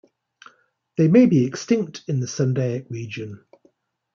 They may be extinct in the Sundaic region.